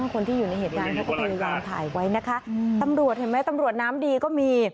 คนที่อยู่ในเหตุงานถ้าคิดอย่างถ่ายไว้นะคะอืมตำรวจเห็นไหมตำรวจน้ำดีก็มี